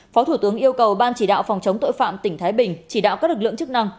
phó thủ tướng yêu cầu ban chỉ đạo phòng chống tội phạm tỉnh thái bình chỉ đạo các lực lượng chức năng